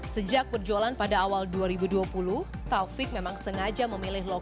sejak perjualan pada awal dua ribu dua puluh taufik memang sengaja memilih lokasi